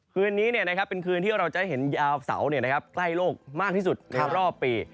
คืนนี้เป็นคืนที่เราจะเห็นยาวเสาใกล้โลกมากที่สุดในรอบปี